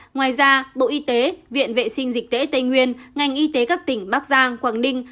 ngoài ra bộ y tế viện vệ sinh dịch tễ tây nguyên ngành y tế các tỉnh bắc giang quảng ninh